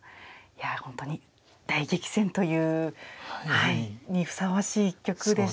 いや本当に大激戦というのにふさわしい一局でしたね。